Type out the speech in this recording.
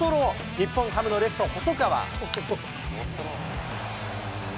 日本ハムのレフト、細川。